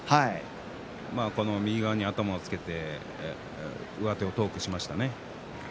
右側に頭をつけて上手を遠くしましたね。